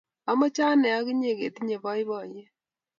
amoche ane ak inye ketinye boiboyee.